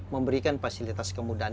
memberikan fasilitas kemudahan